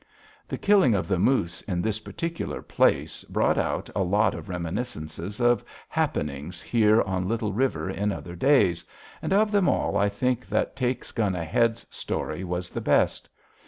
The killing of the moose in this particular place brought out a lot of reminiscences of happenings here on Little River in other days, and of them all I think that Takes Gun Ahead's story was the best.